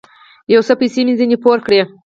يو څه پيسې مې ځنې پور کړې.